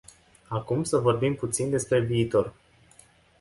Acum să vorbim puțin despre viitor.